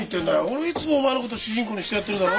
俺はいつもお前のこと主人公にしてやってるだろ？